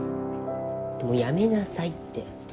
もうやめなさいって。